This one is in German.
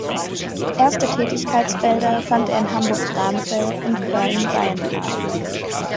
Erste Tätigkeitsfelder fand er in Hamburg-Bramfeld und Köln-Bayenthal.